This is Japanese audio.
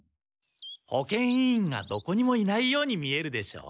保健委員がどこにもいないように見えるでしょう。